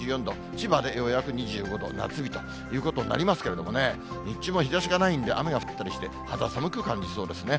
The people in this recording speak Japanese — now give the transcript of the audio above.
千葉でようやく２５度、夏日ということになりますけれどもね、日中も日ざしがないんで、雨が降ったりして、肌寒く感じそうですね。